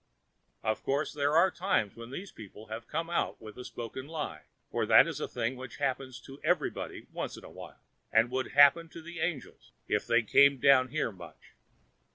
Of course, there are times when these people have to come out with a spoken lie, for that is a thing which happens to everybody once in a while, and would happen to the angels if they came down here much.